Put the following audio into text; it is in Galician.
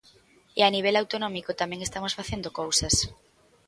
E a nivel autonómico tamén estamos facendo cousas.